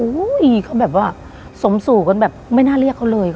เขาแบบว่าสมสู่กันแบบไม่น่าเรียกเขาเลย